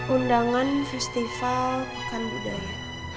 undangan festival makan budaya